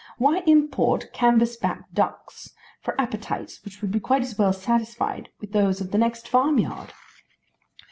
Why import canvas back ducks for appetites which would be quite as well satisfied with those out of the next farm yard?